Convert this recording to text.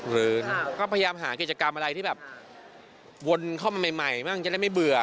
หรือก็พยายามหากิจกรรมอะไรที่แบบวนเข้ามาใหม่บ้างจะได้ไม่เบื่อ